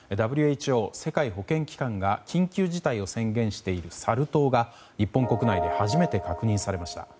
ＷＨＯ・世界保健機関が緊急事態を宣言しているサル痘が日本国内で初めて確認されました。